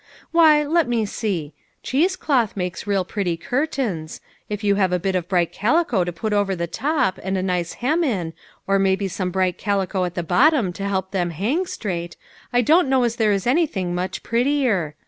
Why, let me see. Cheese cloth makes real pretty curtains ; if you have a bit of bright calico to put over the top, and a nice hem in, or maybe some bright calico at the bottom to help them hang straight, I don't know as there is anything much prettier.